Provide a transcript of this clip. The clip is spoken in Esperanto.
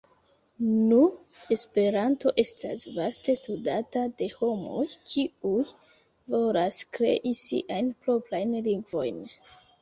Nu, Esperanto estas vaste studata de homoj, kiuj volas krei siajn proprajn lingvojn.